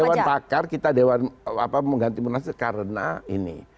dewan pakar kita dewan mengganti munas lu karena ini